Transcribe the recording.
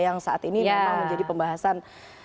yang saat ini memang menjadi pembahasan